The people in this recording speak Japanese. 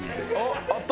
あっ！